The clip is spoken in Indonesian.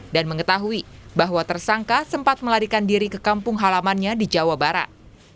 dan mengetahui bahwa tersangka sempat melarikan diri ke kampung halamannya di jawa barat